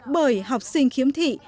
bởi học sinh khiếm thị